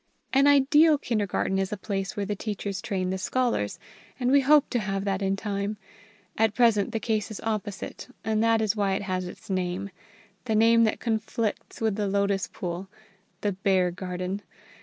An ideal kindergarten is a place where the teachers train the scholars, and we hope to have that in time; at present the case is opposite, and that is why it has its name, the name that conflicts with the lotus pool the Bear garden.